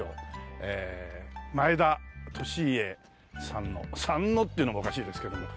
前田利家さんの「さんの」っていうのもおかしいですけども。